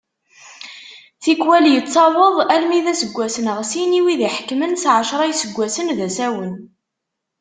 Tikwal yettaweḍ almi d aseggas neɣ sin i wid iḥekmen s ɛecra n yiseggasen d asawen.